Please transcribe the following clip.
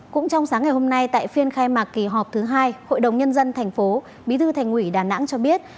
cũng trong sáng ngày hôm nay tại phiên khai mạc kỳ họp thứ hai hội đồng nhân dân thành phố bí thư thành ủy đà nẵng cho biết